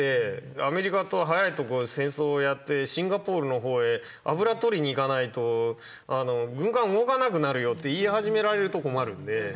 アメリカと早いとこ戦争をやってシンガポールのほうへ油取りに行かないと軍艦動かなくなるよって言い始められると困るんで。